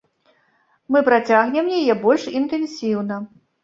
Мы працягнем яе больш інтэнсіўна.